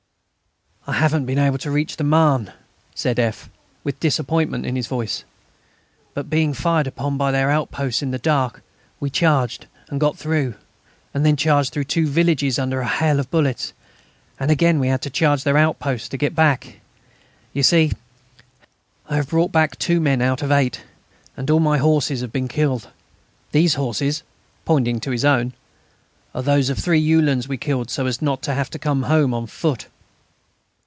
"I haven't been able to reach the Marne," said F., with disappointment in his voice. "But, being fired upon by their outposts in the dark, we charged and got through, and then charged through two villages under a hail of bullets; and again we had to charge their outposts to get back. You see, ... I have brought back two men out of eight, and all my horses have been killed.... These horses" pointing to his own "are those of three Uhlans we killed so as not to have to come home on foot."